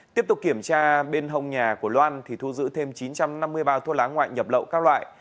tiếp tục kiểm tra bên hông nhà của loan thì thu giữ thêm chín trăm năm mươi bao thuốc lá ngoại nhập lậu các loại